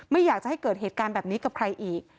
ไม่อยากจะให้เกิดเหตุการณ์แบบนี้กับใครอีก